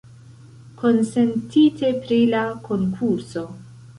Konsentite pri la konkurso!